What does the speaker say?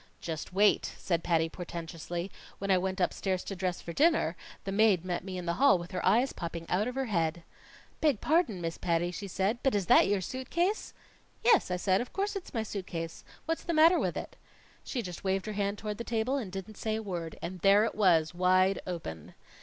"Just wait!" said Patty portentously. "When I went upstairs to dress for dinner, the maid met me in the hall with her eyes popping out of her head. "'Beg pardon, Miss Patty,' she said. 'But is that your suit case?' "'Yes,' I said, 'of course it's my suit case. What's the matter with it?' "She just waved her hand toward the table and didn't say a word. And there it was, wide open!"